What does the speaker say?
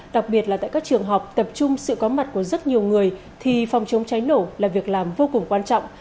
đặc biệt là tại các trường học tập trung sự có mặt của rất nhiều người thì phòng chống cháy nổ là việc làm vô cùng quan trọng